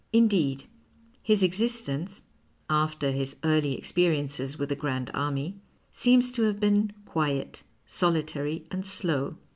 Indeed, his existence (after his early experiences with the Grand Army) seems to have been quiet, solitary, and slow.